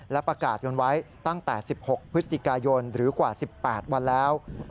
และประกาศยนต์ไว้ตั้งแต่๑๖พฤศจิกายนหรือกว่า๑๘วันแล้ว